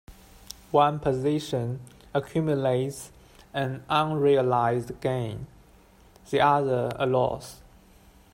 One position accumulates an unrealized gain, the other a loss.